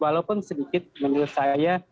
walaupun sedikit menurut saya